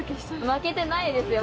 負けてないですよ。